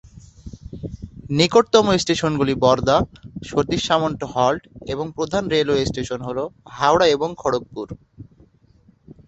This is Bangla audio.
নিকটতম স্টেশনগুলি বরদা, সতীশ সামন্ত হল্ট এবং প্রধান রেলওয়ে স্টেশন হল হাওড়া এবং খড়গপুর।